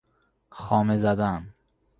خامه زدن